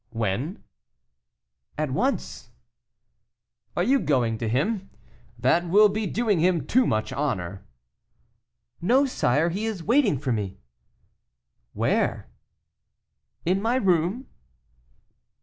"When?" "At once." "Are you going to him? That will be doing him too much honor." "No, sire; he is waiting for me." "Where?" "In my room."